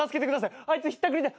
あいつひったくりで。